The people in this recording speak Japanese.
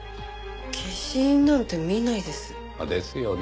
消印なんて見ないです。ですよね。